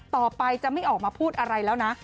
ต่อไปจะไม่ออกมาพูดอะไรแล้วนะ